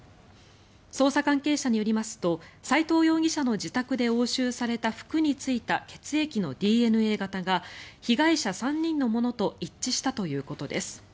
捜査関係者によりますと斎藤容疑者の自宅で押収された服についた血液のＤＮＡ型が被害者３人のものと一致したということです。